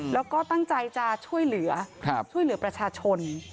แล้วก็ตั้งใจจะช่วยเหลือช่วยเหลือประชาชน